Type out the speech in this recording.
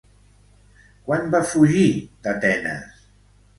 Quan va fugir d'Atenes?